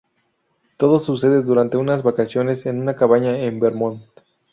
Todo sucede durante unas vacaciones en una cabaña en Vermont.